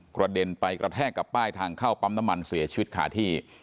กระเด็นไปกระแทกกับป้ายทางเข้าปั๊มน้ำมันเสียชีวิตขาดที่